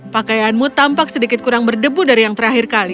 pakaianmu tampak sedikit kurang berdebu dari yang terakhir kali